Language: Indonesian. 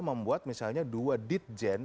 membuat misalnya dua ditjen